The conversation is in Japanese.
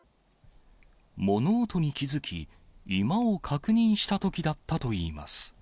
物音に気付き、居間を確認したときだったといいます。